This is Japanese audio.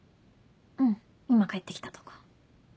うん今帰ってきたとこ。